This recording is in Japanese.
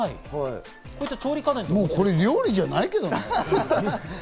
これもう料理じゃないけどね。